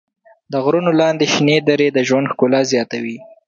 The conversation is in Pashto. د غرونو لاندې شنې درې د ژوند ښکلا زیاتوي.